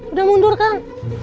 udah mundur kang